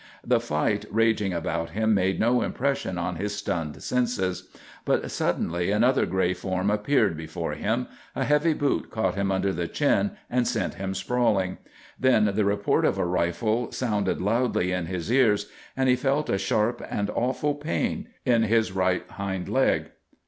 The fight raging about him made no impression on his stunned senses. But suddenly another gray form appeared before him; a heavy boot caught him under the chin and sent him sprawling. Then the report of a rifle sounded loudly in his ears and he felt a sharp and awful pain in his right hind leg.